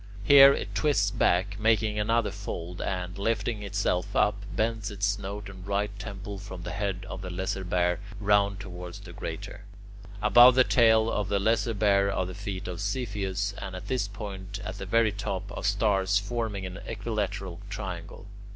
Here it twists back, making another fold, and, lifting itself up, bends its snout and right temple from the head of the Lesser Bear round towards the Greater. Above the tail of the Lesser Bear are the feet of Cepheus, and at this point, at the very top, are stars forming an equilateral triangle.